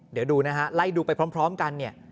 เดี๋ยวดูนะฮะไล่ดูไปพร้อมกันเนี่ย